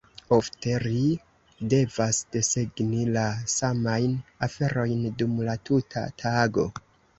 Ofte, ri devas desegni la samajn aferojn dum la tuta tago.